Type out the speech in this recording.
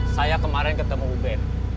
saya kemarin ketemu ubed